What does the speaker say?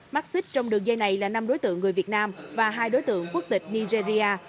mắc xích trong đường dây này là năm đối tượng người việt nam và hai đối tượng quốc tịch nigeria